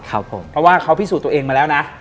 ครับผมเพราะว่าเขาพิสูจน์ตัวเองมาแล้วนะ